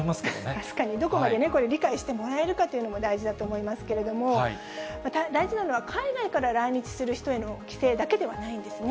確かに、どこまで理解してもらえるかっていうのも大事だと思いますけれども、大事なのは、海外から来日する人への規制だけではないんですね。